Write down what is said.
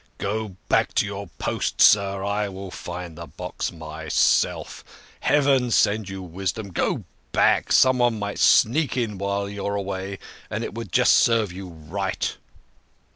Go back to your post, sir I'll find the box myself Heaven send you wisdom go back, some one might sneak in while you are away, and it would just serve you right."